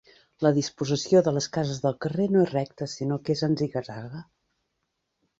La disposició de les cases del carrer no és recta sinó que és en ziga-zaga.